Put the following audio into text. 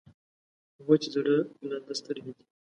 وچ زړه لانده سترګې دي.